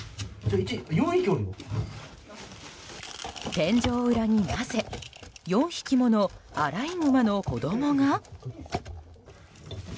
天井裏に、なぜ４匹ものアライグマの子供が？